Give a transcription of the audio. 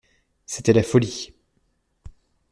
C'était la folie.